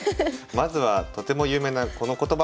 まずはとても有名なこの言葉。